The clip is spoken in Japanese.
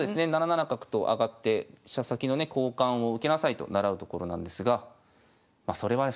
７七角と上がって飛車先のね交換を受けなさいと習うところなんですがそれは普通の指し方なんですよ。